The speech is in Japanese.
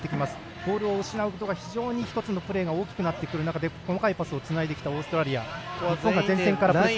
ボールを失うことが１つのプレーが大きくなってくる中で細かいパスをつないでくるオーストラリア。